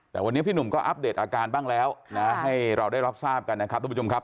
แต่วันนี้พี่หนุ่มก็อัปเดตอาการบ้างแล้วนะให้เราได้รับทราบกันนะครับทุกผู้ชมครับ